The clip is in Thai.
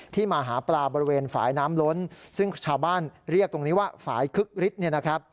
ที่มาหาปลาบริเวณฝายน้ำล้นซึ่งชาวบ้านเรียกตรงนี้ว่าฝายคึกฤทธิ์